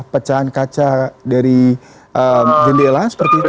pecahan kaca dari jendela seperti itu